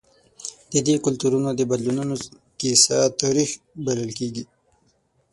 د دې کلتورونو د بدلونونو کیسه تاریخ بلل کېږي.